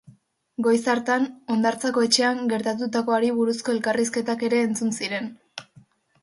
Goiz hartan hondartzako etxean gertatutakoari buruzko elkarrizketak ere entzun ziren.